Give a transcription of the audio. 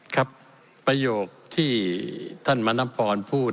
ประโยคที่ท่านมณพรพูด